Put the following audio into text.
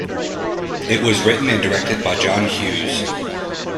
It was written and directed by John Hughes.